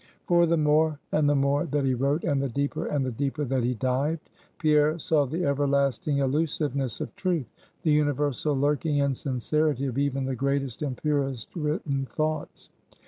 For the more and the more that he wrote, and the deeper and the deeper that he dived, Pierre saw the everlasting elusiveness of Truth; the universal lurking insincerity of even the greatest and purest written thoughts.